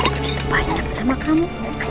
begitu banyak sama kamu